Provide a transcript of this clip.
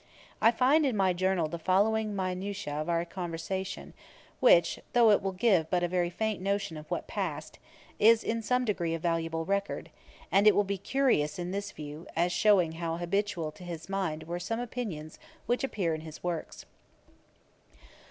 I find in my journal the following minute of our conversation, which, though it will give but a very faint notion of what passed, is in some degree a valuable record; and it will be curious in this view, as shewing how habitual to his mind were some opinions which appear in his works.